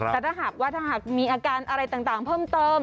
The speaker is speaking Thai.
แต่ถ้าหากมีอาการอะไรต่างเพิ่มเติม